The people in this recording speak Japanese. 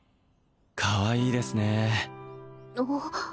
かわいいですね